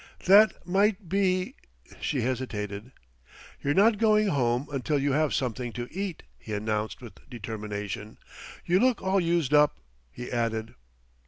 "That might be " She hesitated. "You're not going home until you have something to eat," he announced with determination. "You look all used up," he added.